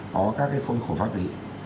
có các cái khung khổ pháp lý